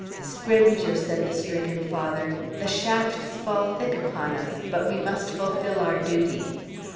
"Scrymgeour," said the stricken father, "the shafts fall thick upon us, but we must fulfill our duty."